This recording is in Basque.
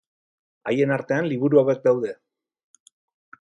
Haien artean liburu hauek daude.